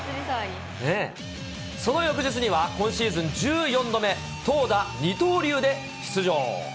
その翌日には、今シーズン１４度目、投打二刀流で出場。